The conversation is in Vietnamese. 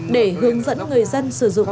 để hướng dẫn người dân sử dụng